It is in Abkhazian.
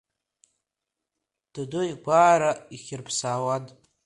Даду игәаара ихирԥсаауан.